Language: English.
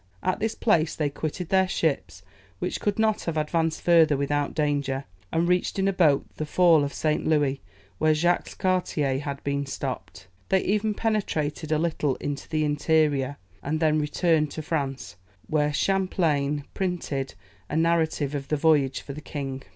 At this place they quitted their ships, which could not have advanced further without danger, and reached in a boat the Fall of St. Louis, where Jacques Cartier had been stopped; they even penetrated a little into the interior, and then returned to France, where Champlain printed a narrative of the voyage for the king.